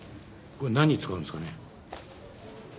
これ何に使うんですかね？